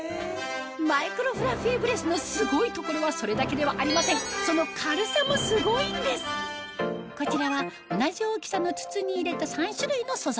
マイクロフラッフィーブレスのすごいところはそれだけではありませんその軽さもすごいんですこちらは同じ大きさの筒に入れた３種類の素材